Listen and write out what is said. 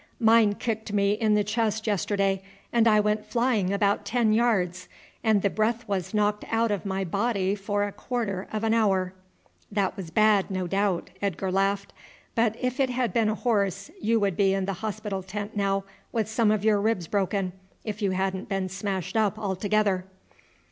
"Mine kicked me in the chest yesterday and I went flying about ten yards, and the breath was knocked out of my body for a quarter of an hour." "That was bad, no doubt," Edgar laughed; "but if it had been a horse you would be in the hospital tent now with some of your ribs broken, if you hadn't been smashed up altogether."